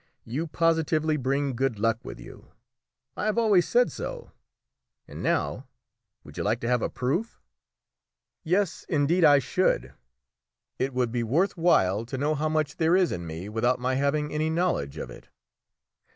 You positively bring good luck with you. I have always said so, and now would you like to have a proof?" "Yes, indeed I should. It would be worth while to know how much there is in me without my having any knowledge of it."